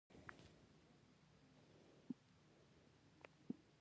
خاوره د افغانستان د اقلیم یوه بله لویه ځانګړتیا ده.